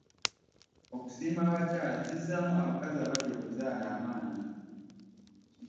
Okusiima abakyala kizzaamu abakazi abatya okuzaala amaanyi.